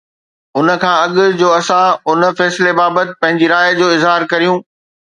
ان کان اڳ جو اسان ان فيصلي بابت پنهنجي راءِ جو اظهار ڪريون